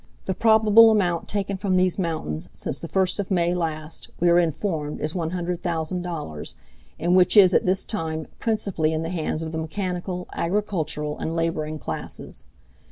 The probable amount taken from these mountains since the first of May last, we are informed is $100,000, and which is at this time principally in the hands of the mechanical, agricultural and laboring classes.